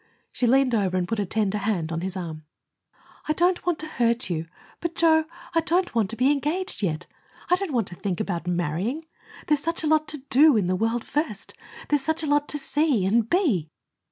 She leaned over and put a tender hand on his arm. "I don't want to hurt you; but, Joe, I don't want to be engaged yet. I don't want to think about marrying. There's such a lot to do in the world first. There's such a lot to see and be."